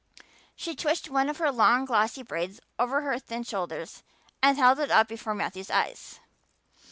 She twitched one of her long glossy braids over her thin shoulder and held it up before Matthew's eyes.